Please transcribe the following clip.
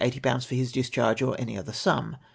for his discharge, or any other sum.'